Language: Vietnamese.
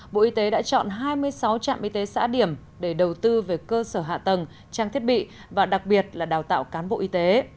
bộ y tế đã chọn hai mươi sáu trạm y tế xã điểm để đầu tư về cơ sở hạ tầng trang thiết bị và đặc biệt là đào tạo cán bộ y tế